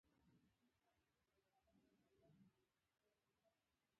تر زبېښونکو بنسټونو لاندې اقتصادي وده ممکنه ده.